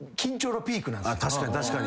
確かに確かに。